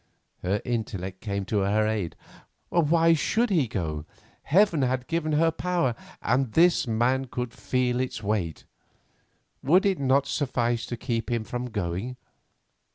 Her intellect came to her aid. Why should he go? Heaven had given her power, and this man could feel its weight. Would it not suffice to keep him from going?